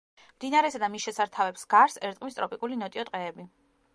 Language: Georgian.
მდინარესა და მის შესართავებს გარს ერტყმის ტროპიკული ნოტიო ტყეები.